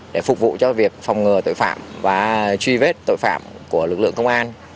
để phục vụ cho việc phòng ngừa tội phạm và truy vết tội phạm của lực lượng công an